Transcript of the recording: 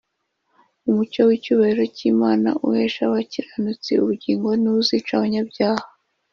Umucyo w’icyubahiro cy’Imana, uhesha abakiranutsi ubugingo, ni wo uzica abanyabyaha.